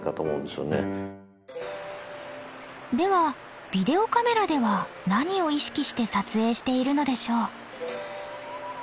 ではビデオカメラでは何を意識して撮影しているのでしょう？